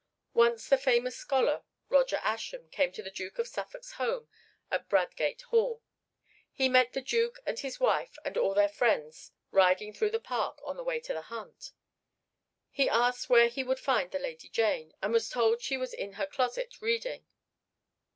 Once the famous scholar Roger Ascham came to the Duke of Suffolk's home at Bradgate Hall. He met the Duke and his wife with all their friends riding through the park on the way to the hunt. He asked where he would find the Lady Jane, and was told she was in her closet reading.